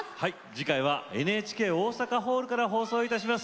次回はＮＨＫ大阪ホールから放送いたします。